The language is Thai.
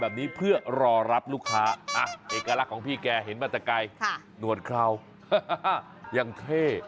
แบบนี้เพื่อรอรับลูกค้าเอกลักษณ์ของพี่แกเห็นมาแต่ไกลหนวดเคราวยังเท่